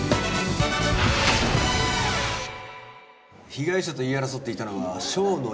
被害者と言い争っていたのは正野勇樹